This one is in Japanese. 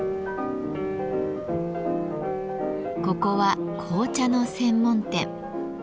ここは紅茶の専門店。